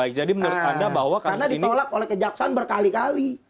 karena ditolak oleh kejaksaan berkali kali